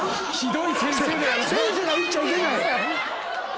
先生が言っちゃいけない。